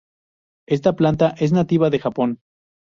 Esta planta es nativa del Japón.